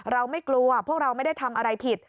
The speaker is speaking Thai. เราไม่กลัวพวกเราไม่ได้ทำอะไรผิด